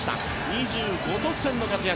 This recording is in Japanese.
２５得点の活躍。